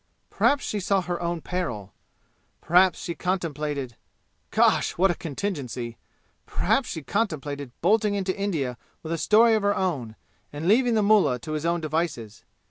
Perhaps she saw her own peril. Perhaps she contemplated gosh! what a contingency! perhaps she contemplated bolting into India with a story of her own, and leaving the mullah to his own devices!